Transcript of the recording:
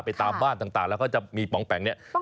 ตามบ้านต่างแล้วก็จะมีปองแป๋งเนี่ย